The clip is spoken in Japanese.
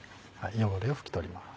汚れを拭き取ります。